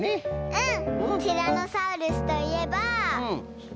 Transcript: うん。